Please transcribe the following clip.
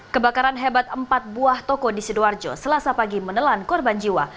kebakaran hebat empat buah toko di sidoarjo selasa pagi menelan korban jiwa